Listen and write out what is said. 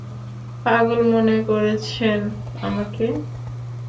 পাগল মনে করেছেন আমাকে?